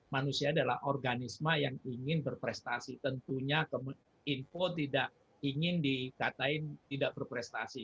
manusia adalah organisme yang ingin berprestasi tentunya info tidak ingin dikatakan tidak berprestasi